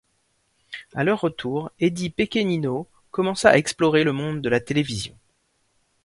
À leur retour, Eddie Pequenino commenca à explorer le monde de la télévision.